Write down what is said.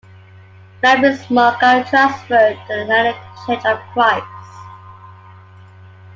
Matthew Smucker, transferred to the United Church of Christ.